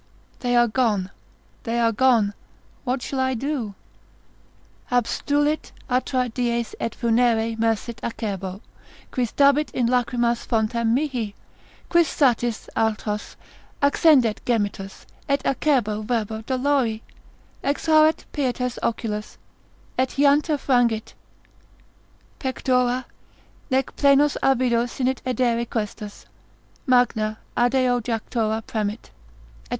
They are gone, they are gone; what shall I do? Abstulit atra dies et funere mersit acerbo, Quis dabit in lachrymas fontem mihi? quis satis altos Accendet gemitus, et acerbo verba dolori? Exhaurit pietas oculos, et hiantia frangit Pectora, nec plenos avido sinit edere questus, Magna adeo jactura premit, &c.